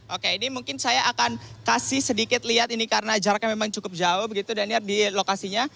oke ini mungkin saya akan kasih sedikit lihat ini karena jaraknya memang cukup jauh begitu daniar di lokasinya